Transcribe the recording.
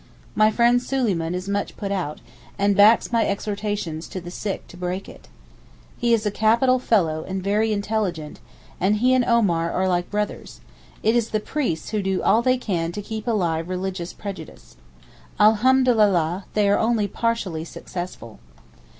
My friend Suleyman is much put out, and backs my exhortations to the sick to break it. He is a capital fellow, and very intelligent, and he and Omar are like brothers; it is the priests who do all they can to keep alive religious prejudice. Alhamdulillah, they are only partially successful.